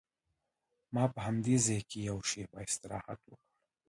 ما په همدې ځای کې یوه شېبه استراحت وکړ.